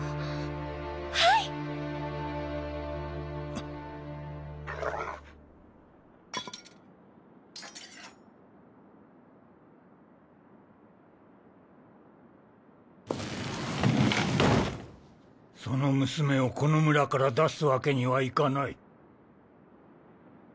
ウウーその娘をこの村から出すわけにはいかない。